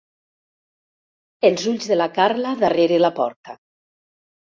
Els ulls de la Carla darrere la porta.